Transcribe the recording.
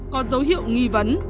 còn dấu hiệu nghi vấn